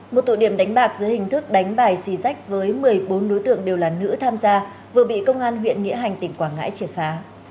một tụ điểm đánh bạc dưới hình thức đánh bài xì rách với một mươi bốn đối tượng đều là nữ tham gia vừa bị công an huyện nghĩa hành tỉnh quảng ngãi triệt phá